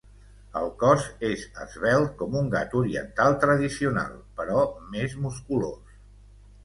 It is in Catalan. El cos és esvelt com un gat oriental tradicional, però més musculós.